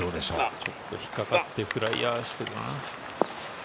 ちょっと引っかかってフライヤーしている。